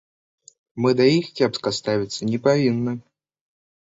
Мы да іх кепска ставіцца не павінны.